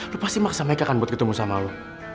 lo pasti maksa mereka kan buat ketemu sama lo